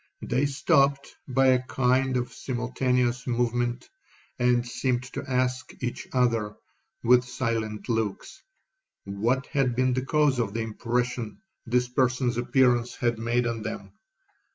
They stopt by a kind of simultaneous movement, and seemed to ask each other, with silent looks, what had been the cause of the impression this person's appearance had made on them.